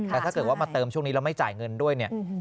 แต่ถ้าเกิดว่ามาเติมช่วงนี้แล้วไม่จ่ายเงินด้วยเนี่ย